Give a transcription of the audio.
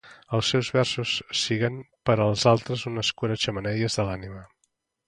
els seus versos siguin per als altres un escura-xemeneies de l'ànima